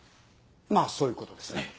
まあそういう事ですね。